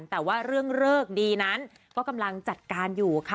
แต่ว่าเรื่องเลิกดีนั้นก็กำลังจัดการอยู่ค่ะ